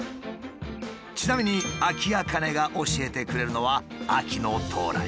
ちなみにアキアカネが教えてくれるのは秋の到来。